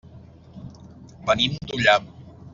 Venim d'Ullà.